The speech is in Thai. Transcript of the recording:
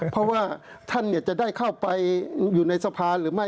เพราะว่าท่านจะได้เข้าไปอยู่ในสภาหรือไม่